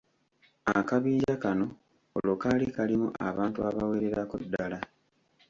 Akabinja kano olwo kaali kalimu abantu abawererako ddala.